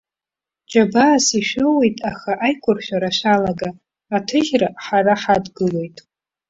Џьабаас ишәоуеит, аха, аиқәыршәара шәалага, аҭыжьра ҳара ҳадгылоит!